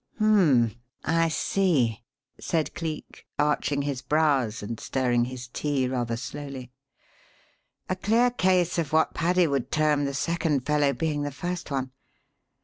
"Hum m m! I see!" said Cleek, arching his brows and stirring his tea rather slowly. "A clear case of what Paddy would term 'the second fellow being the first one.'